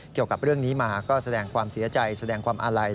เกี่ยวกับเรื่องนี้มาก็แสดงความเสียใจแสดงความอาลัย